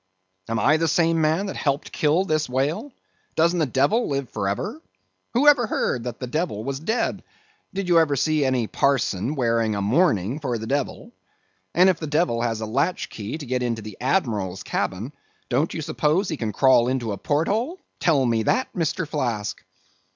"Am I the same man that helped kill this whale? Doesn't the devil live for ever; who ever heard that the devil was dead? Did you ever see any parson a wearing mourning for the devil? And if the devil has a latch key to get into the admiral's cabin, don't you suppose he can crawl into a porthole? Tell me that, Mr. Flask?"